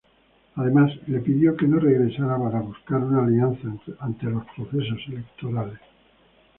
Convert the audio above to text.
Además le pidió que no regresara para buscar una alianza ante los procesos electorales.